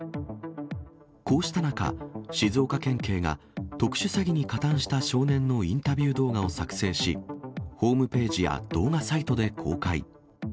こうした中、静岡県警が、特殊詐欺に加担した少年のインタビュー動画を作成し、ホームページや動画サイトで公開。